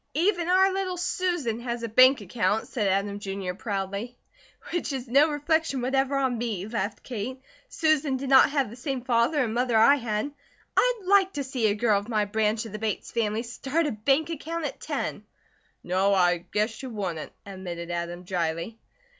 "Even our little Susan has a bank account," said Adam, Jr., proudly. "Which is no reflection whatever on me," laughed Kate. "Susan did not have the same father and mother I had. I'd like to see a girl of my branch of the Bates family start a bank account at ten." "No, I guess she wouldn't," admitted Adam, dryly.